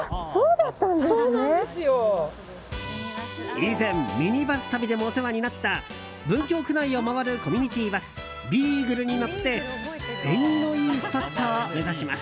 以前、ミニバス旅でもお世話になった文京区内を回るコミュニティバスＢーぐるに乗って縁起のいいスポットを目指します。